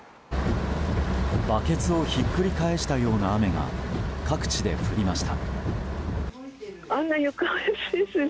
バケツをひっくり返したような雨が各地で降りました。